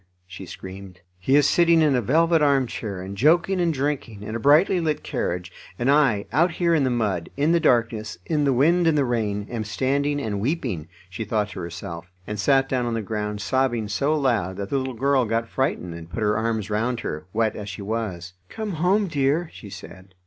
she screamed. "He is sitting in a velvet arm chair and joking and drinking, in a brightly lit carriage, and I, out here in the mud, in the darkness, in the wind and the rain, am standing and weeping," she thought to herself; and sat down on the ground, sobbing so loud that the little girl got frightened, and put her arms round her, wet as she was. "Come home, dear," she said.